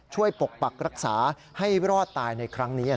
ช่วยปกปรักษารักษาให้รอดตายในครั้งนี้นะครับ